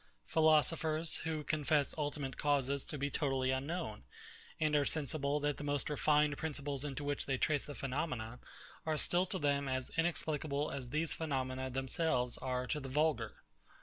philosophers, who confess ultimate causes to be totally unknown; and are sensible, that the most refined principles into which they trace the phenomena, are still to them as inexplicable as these phenomena themselves are to the vulgar.